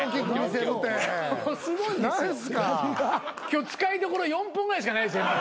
今日使いどころ４分ぐらいしかないっすよ。